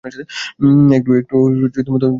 একটু দরকার ছিল আপনার সাথে।